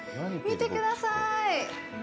見てください！